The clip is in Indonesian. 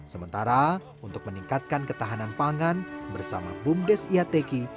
sementara untuk meningkatkan ketahanan pangan bersama bumdes iateki